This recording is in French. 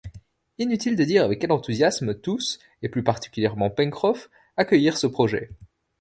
Inutile de dire avec quel enthousiasme tous, et plus particulièrement Pencroff, accueillirent ce projet.